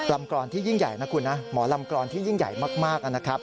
กรอนที่ยิ่งใหญ่นะคุณนะหมอลำกรอนที่ยิ่งใหญ่มากนะครับ